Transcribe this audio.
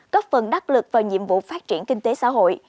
góp phần đắc lực vào nhiệm vụ phát triển kinh tế xã hội